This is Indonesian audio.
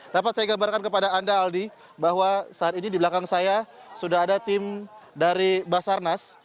dapat saya gambarkan kepada anda aldi bahwa saat ini di belakang saya sudah ada tim dari basarnas